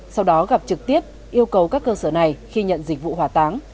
sau đó gặp trực tiếp yêu cầu các cơ sở này khi nhận dịch vụ hỏa táng